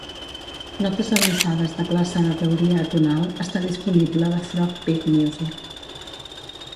"Notes avançades de classe de teoria atonal" està disponible de Frog Peak Music.